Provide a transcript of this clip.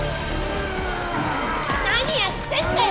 何やってんだよ！